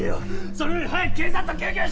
それより早く警察と救急車！